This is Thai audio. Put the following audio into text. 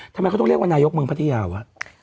ทำไมเขาต้องเรียกว่านายกเมืองพัทยาวะ